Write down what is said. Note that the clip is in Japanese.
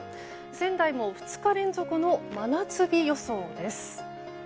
仙台も２日連続の真夏日予想です。